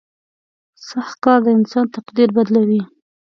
• سخت کار د انسان تقدیر بدلوي.